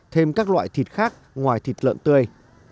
thêm các loại thịt khác ngoài thịt lợn tươi